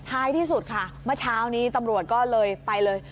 ท้ายที่สุดค่ะเมื่อเช้านี้ตำรวจก็เลยไปเลย